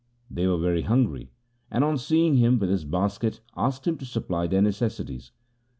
They were very hungry, and on seeing him with his basket, asked him to supply their necessities.